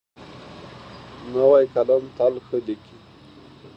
نوی قلم تل ښه لیکي.